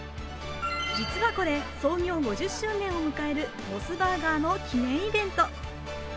実はこれ、創業５０周年を迎えるモスバーガーの記念イベント。